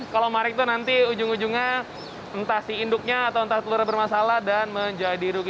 kalau marik itu nanti ujung ujungnya entah si induknya atau entah telur bermasalah dan menjadi rugi